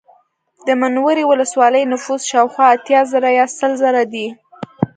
د منورې ولسوالۍ نفوس شاوخوا اتیا زره یا سل زره دی